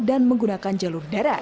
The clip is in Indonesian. dan menggunakan jalur darat